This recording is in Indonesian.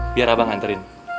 biar abang anterin